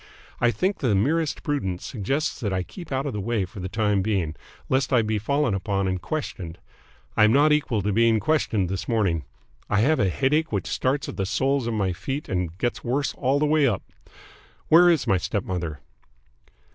I think the merest prudence suggests that I keep out of the way for the time being, lest I be fallen upon and questioned. I am not equal to being questioned this morning. I have a headache which starts at the soles of my feet and gets worse all the way up. Where is my stepmother?"